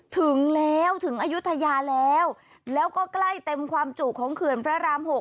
ถึงแล้วถึงอายุทยาแล้วแล้วก็ใกล้เต็มความจุของเขื่อนพระราม๖